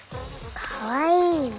かわいい。